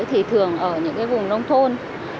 thì thường ở những cái vùng nông thôn